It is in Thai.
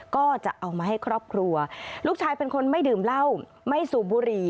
ก็จะเอามาให้ครอบครัวลูกชายเป็นคนไม่ดื่มเหล้าไม่สูบบุหรี่